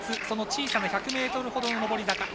その小さな１００ｍほどの上り坂。